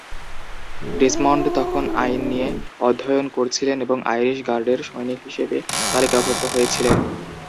Desmond তখন আইন নিয়ে অধ্যয়ন করছিলেন এবং আইরিশ গার্ডের সৈনিক হিসেবে তালিকাভুক্ত হয়েছিলেন।